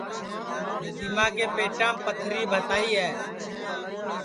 ندیما کے پیٹام پتھری بھتائی ہے